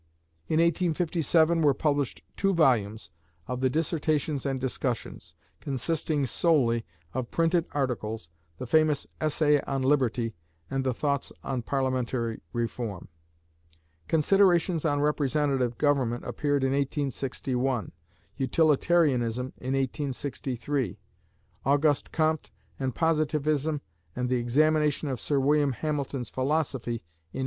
In 1857 were published two volumes of the "Dissertations and Discussions," consisting solely of printed articles, the famous essay "On Liberty," and the "Thoughts on Parliamentary Reform." "Considerations on Representative Government" appeared in 1861, "Utilitarianism," in 1863, "Auguste Comte and Positivism" and the "Examination of Sir William Hamilton's Philosophy," in 1865.